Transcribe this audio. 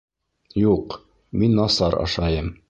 Юҡ, мин насар ашайым